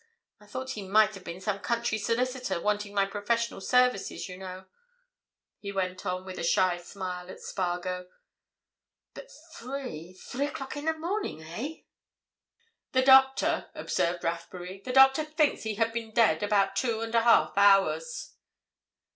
I thought he might have been some country solicitor, wanting my professional services, you know," he went on, with a shy smile at Spargo; "but, three—three o'clock in the morning, eh?" "The doctor," observed Rathbury, "the doctor thinks he had been dead about two and a half hours."